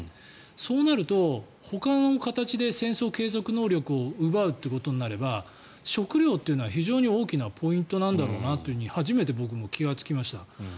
そうなるとほかの形で戦争継続能力を奪うことになれば食糧というのは非常に大きなポイントなんだろうと初めて僕は気がつきました。